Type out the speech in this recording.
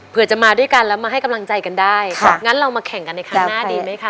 เพื่อจะมาด้วยกันแล้วมาให้กำลังใจกันได้งั้นเรามาแข่งกันในครั้งหน้าดีไหมคะ